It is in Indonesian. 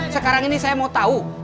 sekarang ini saya mau tahu